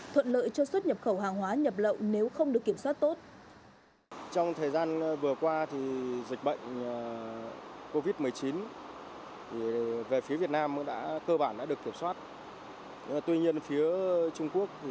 thuận lợi cho xuất nhập khẩu hàng hóa nhập lậu nếu không được kiểm soát tốt